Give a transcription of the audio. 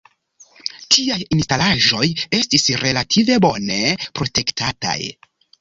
Tiaj instalaĵoj estis relative bone protektataj.